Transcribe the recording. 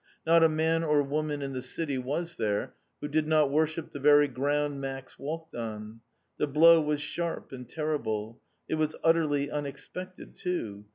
Not a man or woman in the city was there who did not worship the very ground Max walked on. The blow was sharp and terrible; it was utterly unexpected too.